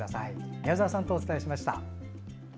宮澤さんとお伝えしました。